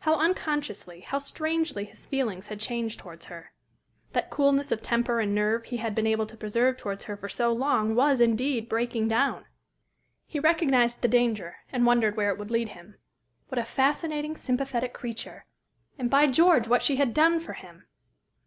How unconsciously, how strangely his feelings had changed towards her! That coolness of temper and nerve he had been able to preserve towards her for so long was, indeed, breaking down. He recognized the danger, and wondered where it would lead him. What a fascinating, sympathetic creature! and, by George! what she had done for him!